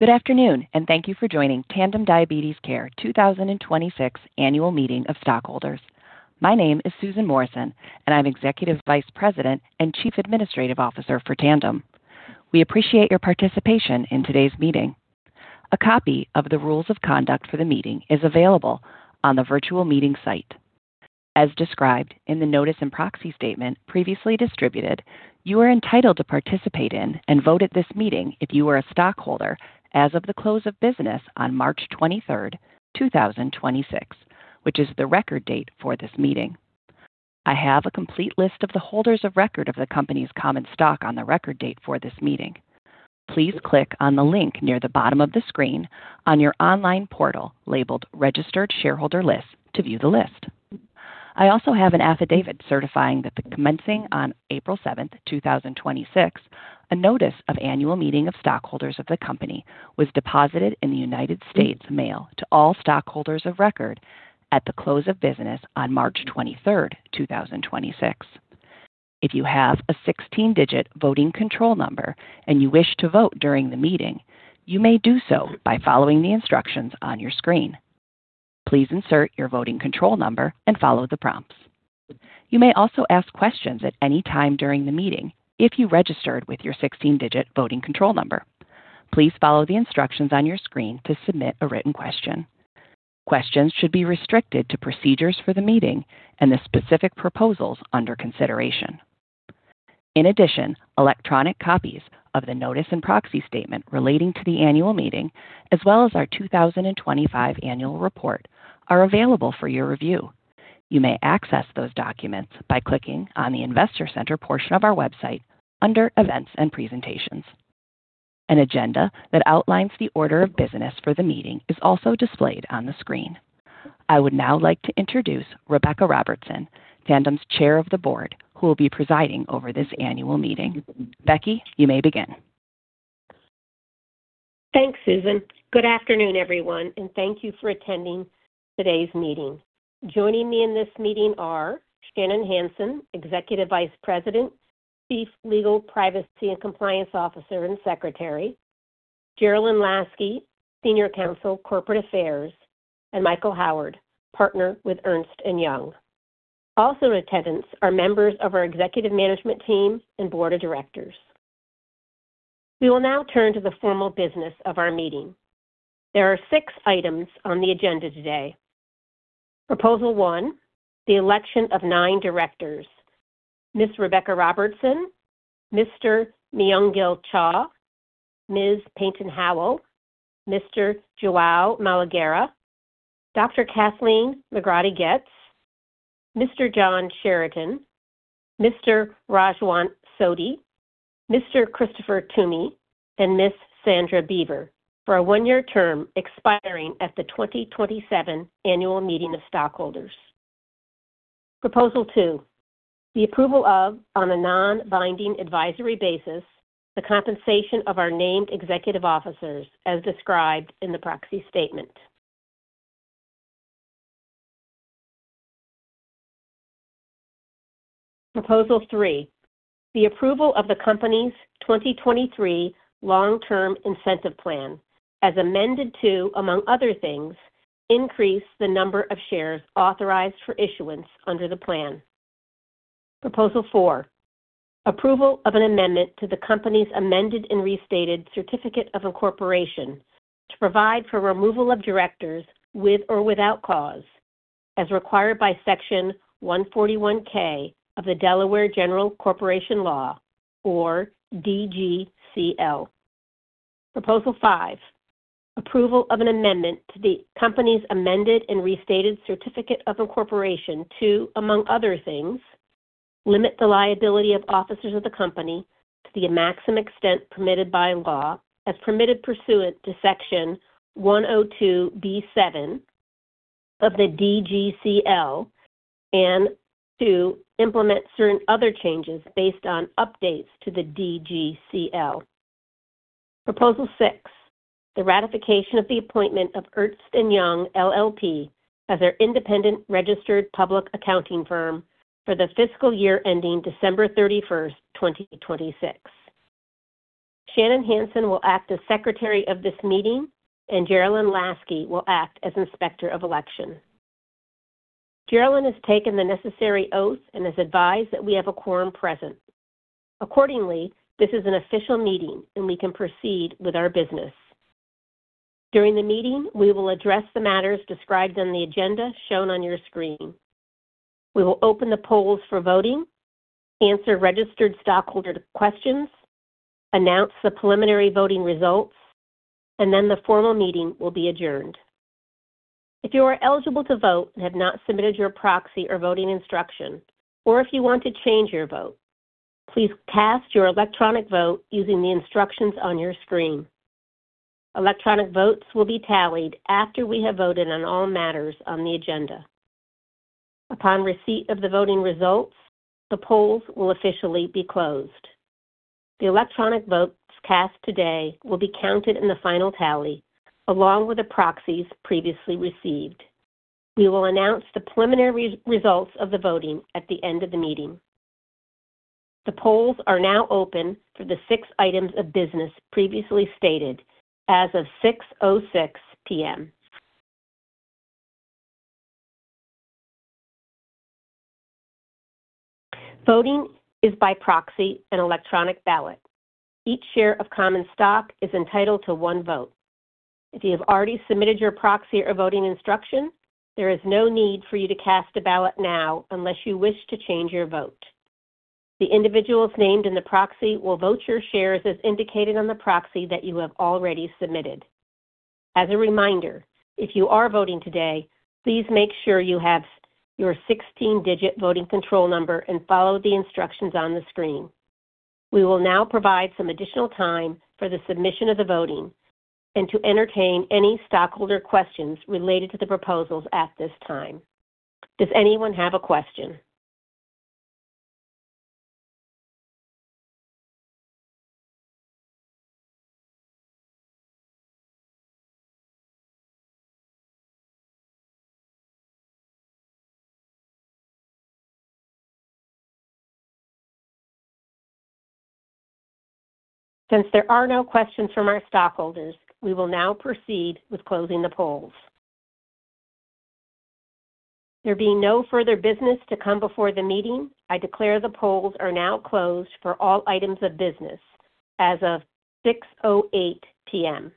Good afternoon, and thank you for joining Tandem Diabetes Care 2026 annual meeting of stockholders. My name is Susan Morrison, and I'm Executive Vice President and Chief Administrative Officer for Tandem. We appreciate your participation in today's meeting. A copy of the rules of conduct for the meeting is available on the virtual meeting site. As described in the notice and proxy statement previously distributed, you are entitled to participate in and vote at this meeting if you are a stockholder as of the close of business on March 23rd, 2026, which is the record date for this meeting. I have a complete list of the holders of record of the company's common stock on the record date for this meeting. Please click on the link near the bottom of the screen on your online portal labeled "Registered Shareholder List" to view the list. I also have an affidavit certifying that commencing on April 7th, 2026, a notice of annual meeting of stockholders of the company was deposited in the United States mail to all stockholders of record at the close of business on March 23rd, 2026. If you have a 16-digit voting control number, and you wish to vote during the meeting, you may do so by following the instructions on your screen. Please insert your voting control number and follow the prompts. You may also ask questions at any time during the meeting if you registered with your 16-digit voting control number. Please follow the instructions on your screen to submit a written question. Questions should be restricted to procedures for the meeting and the specific proposals under consideration. In addition, electronic copies of the notice and proxy statement relating to the annual meeting, as well as our 2025 annual report, are available for your review. You may access those documents by clicking on the Investor Center portion of our website under Events and Presentations. An agenda that outlines the order of business for the meeting is also displayed on the screen. I would now like to introduce Rebecca Robertson, Tandem's Chair of the Board, who will be presiding over this annual meeting. Becky, you may begin. Thanks, Susan. Good afternoon, everyone, and thank you for attending today's meeting. Joining me in this meeting are Shannon Hansen, Executive Vice President, Chief Legal, Privacy, and Compliance Officer, and Secretary, Rachel Malina, Senior Counsel, Corporate Affairs, and Michael Howard, Partner with Ernst & Young. Also in attendance are members of our executive management team and board of directors. We will now turn to the formal business of our meeting. There are six items on the agenda today. Proposal one, the election of nine directors, Ms. Rebecca Robertson, Mr. Myoung Cha, Ms. Peyton Howell, Mr. Joao Malagueira, Dr. Kathleen McGroddy-Goetz, Mr. John Sheridan, Mr. Rajwant Sodhi, Mr. Christopher Twomey, and Ms. Sandra Beaver, for a one-year term expiring at the 2027 annual meeting of stockholders. Proposal two, the approval of, on a non-binding advisory basis, the compensation of our named executive officers as described in the proxy statement. Proposal 3, the approval of the company's 2023 long-term incentive plan, as amended to, among other things, increase the number of shares authorized for issuance under the plan. Proposal 4, approval of an amendment to the company's amended and restated certificate of incorporation to provide for removal of directors with or without cause, as required by Section 141 of the Delaware General Corporation Law, or DGCL. Proposal five, approval of an amendment to the company's amended and restated certificate of incorporation to, among other things, limit the liability of officers of the company to the maximum extent permitted by law as permitted pursuant to Section 102(b)(7) of the DGCL and to implement certain other changes based on updates to the DGCL. Proposal six, the ratification of the appointment of Ernst & Young LLP as our independent registered public accounting firm for the fiscal year ending December 31st, 2026. Shannon Hansen will act as secretary of this meeting, and Rachel Malina will act as inspector of election. Geralyn has taken the necessary oaths and has advised that we have a quorum present. Accordingly, this is an official meeting, and we can proceed with our business. During the meeting, we will address the matters described on the agenda shown on your screen. We will open the polls for voting, answer registered stockholder questions, announce the preliminary voting results, and then the formal meeting will be adjourned. If you are eligible to vote and have not submitted your proxy or voting instruction, or if you want to change your vote, please cast your electronic vote using the instructions on your screen. Electronic votes will be tallied after we have voted on all matters on the agenda. Upon receipt of the voting results, the polls will officially be closed. The electronic votes cast today will be counted in the final tally, along with the proxies previously received. We will announce the preliminary results of the voting at the end of the meeting. The polls are now open for the six items of business previously stated as of 6:06 P.M. Voting is by proxy and electronic ballot. Each share of common stock is entitled to one vote. If you have already submitted your proxy or voting instruction, there is no need for you to cast a ballot now unless you wish to change your vote. The individuals named in the proxy will vote your shares as indicated on the proxy that you have already submitted. As a reminder, if you are voting today, please make sure you have your 16-digit voting control number and follow the instructions on the screen. We will now provide some additional time for the submission of the voting and to entertain any stockholder questions related to the proposals at this time. Does anyone have a question? Since there are no questions from our stockholders, we will now proceed with closing the polls. There being no further business to come before the meeting, I declare the polls are now closed for all items of business as of 6:08 P.M.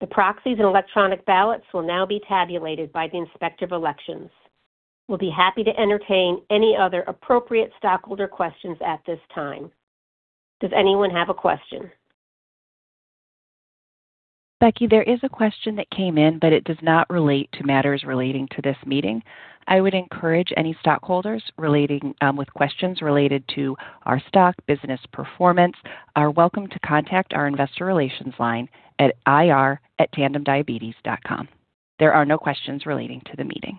The proxies and electronic ballots will now be tabulated by the Inspector of Elections. We'll be happy to entertain any other appropriate stockholder questions at this time. Does anyone have a question? Rebecca, there is a question that came in. It does not relate to matters relating to this meeting. I would encourage any stockholders with questions related to our stock business performance are welcome to contact our investor relations line at ir@tandemdiabetes.com. There are no questions relating to the meeting.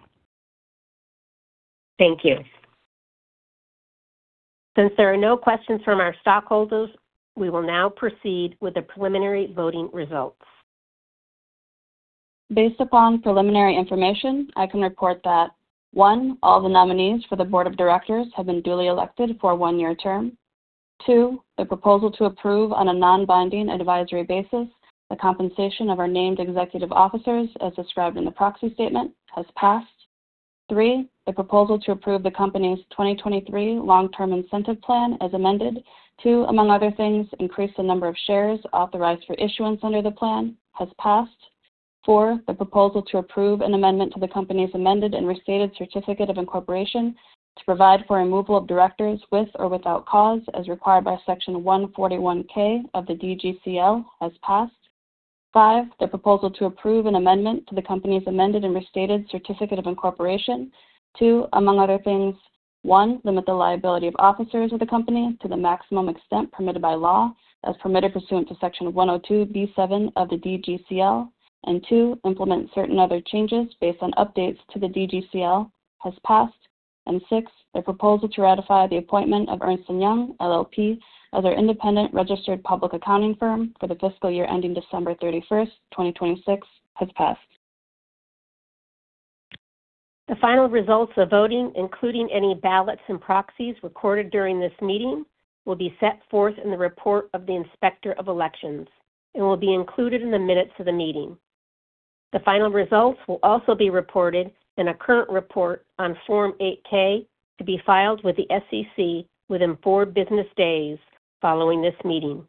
Thank you. Since there are no questions from our stockholders, we will now proceed with the preliminary voting results. Based upon preliminary information, I can report that, one, all the nominees for the board of directors have been duly elected for a one-year term. Two, the proposal to approve on a non-binding advisory basis the compensation of our named executive officers as described in the proxy statement has passed. Three, the proposal to approve the company's 2023 long-term incentive plan as amended to, among other things, increase the number of shares authorized for issuance under the plan, has passed. Four, the proposal to approve an amendment to the company's amended and restated certificate of incorporation to provide for removal of directors with or without cause, as required by Section 141(k) of the DGCL, has passed. Five, the proposal to approve an amendment to the company's amended and restated certificate of incorporation to, among other things, one, limit the liability of officers of the company to the maximum extent permitted by law as permitted pursuant to Section 102(b)(7) of the DGCL, and two, implement certain other changes based on updates to the DGCL, has passed. six, the proposal to ratify the appointment of Ernst & Young LLP as our independent registered public accounting firm for the fiscal year ending December 31st, 2026, has passed. The final results of voting, including any ballots and proxies recorded during this meeting, will be set forth in the report of the Inspector of Elections and will be included in the minutes of the meeting. The final results will also be reported in a current report on Form 8-K to be filed with the SEC within four business days following this meeting.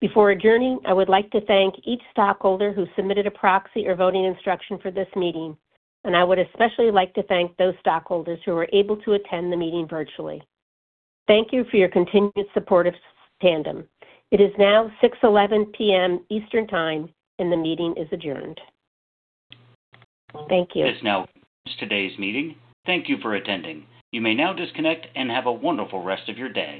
Before adjourning, I would like to thank each stockholder who submitted a proxy or voting instruction for this meeting, and I would especially like to thank those stockholders who were able to attend the meeting virtually. Thank you for your continued support of Tandem. It is now 6:11 P.M. Eastern Time, and the meeting is adjourned. Thank you. This now concludes today's meeting. Thank you for attending. You may now disconnect and have a wonderful rest of your day.